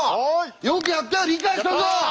よくやったよ理解したぞ！